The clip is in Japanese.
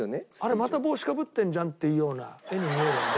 また帽子かぶってんじゃんっていうような画に見えるんで。